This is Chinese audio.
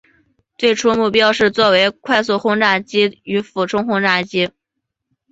最初目标是作为快速轰炸机与俯冲轰炸机。